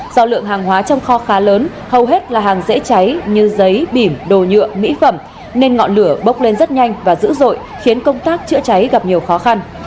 do lượng hàng hóa trong kho khá lớn hầu hết là hàng dễ cháy như giấy bìm đồ nhựa mỹ phẩm nên ngọn lửa bốc lên rất nhanh và dữ dội khiến công tác chữa cháy gặp nhiều khó khăn